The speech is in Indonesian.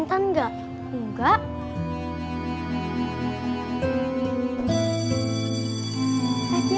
intan kok belum dateng juga ya